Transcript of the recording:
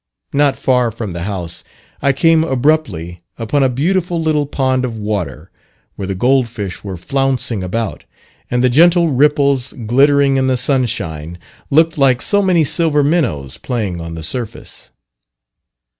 Not far from the house I came abruptly upon a beautiful little pond of water, where the gold fish were flouncing about, and the gentle ripples glittering in the sunshine looked like so many silver minnows playing on the surface.